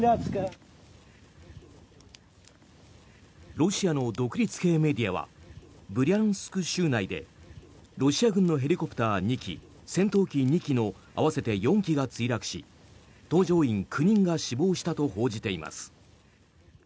ロシアの独立系メディアはブリャンスク州内でロシア軍のヘリコプター２機戦闘機２機の合わせて４機が墜落し搭乗員９人が死亡したと報じています。